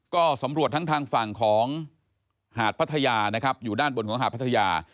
ก็สำรวจทั้งทางฝั่งของหาดพัทยานะครับอยู่ด้านบนของหาดพัทยา